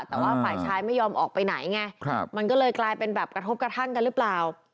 แต่ว่าฝ่ายชายไม่ยอมออกไปไหนไงมันก็เลยกลายเป็นแบบกระทบกระทั่งกันหรือเปล่า